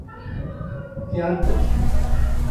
De Anthos